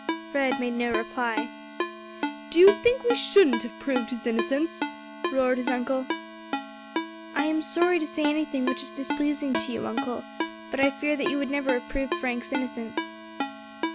Fred made no reply. "Do you think we shouldn't have proved his innocence?" roared his uncle. "I am sorry to say anything which is displeasing to you, uncle, but I fear that you would never have proved Frank's innocence."